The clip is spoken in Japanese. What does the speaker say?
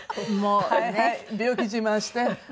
はいはい病気自慢して。